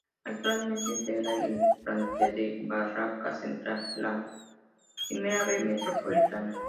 Actualmente integra el plantel del Barracas Central, de la Primera B Metropolitana.